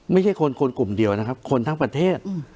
ไม่ใช่คนคนกลุ่มเดียวนะครับคนทั้งประเทศ